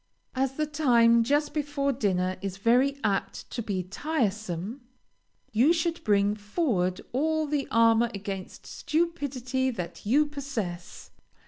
As the time just before dinner is very apt to be tiresome, you should bring forward all the armor against stupidity that you possess.